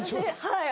はい。